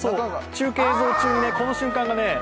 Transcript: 中継映像中に、この瞬間。